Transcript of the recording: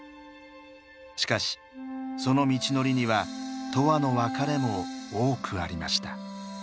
しかしその道のりには永久の別れも多くありました。